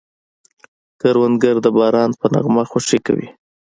کروندګر د باران په نغمه خوښي کوي